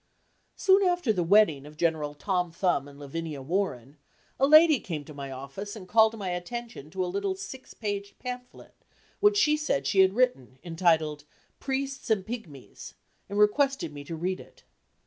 Soon after the wedding of General Tom Thumb and Lavinia Warren, a lady came to my office and called my attention to a little six paged pamphlet which she said she had written, entitled "Priests and Pigmies," and requested me to read it.